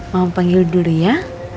mau panggil dulu ya